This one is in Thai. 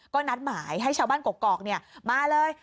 ก็นัดหมายให้ชาวบ้านกกอกมาเลย